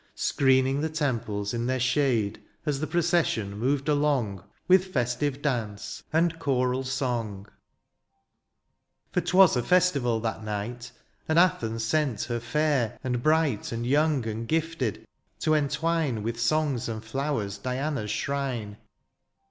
Screening the temples in their shade. As the procession moved along With festive dance, and choral song. 50 DIONYSIUS, For 'twas a festival that night. And Athens sent her fair, and bright. And young, and gifted, to entwine With songs and flowers Diana's shrine.